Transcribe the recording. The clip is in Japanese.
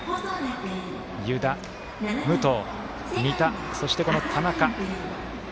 湯田、武藤、仁田そして、田中。